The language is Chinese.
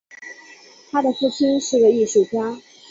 他的父亲是个艺术家。